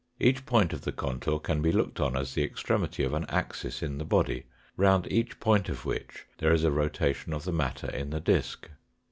Each point of the contour can be looked on as the extremity of an axis in the body, round each point of which there is a rotation of the matter in the disk.